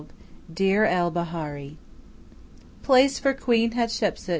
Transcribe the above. XII DEIR EL BAHARI Place for Queen Hatshepsu!